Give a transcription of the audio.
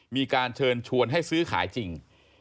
มีการเชิญชวนให้ซื้อขายจริง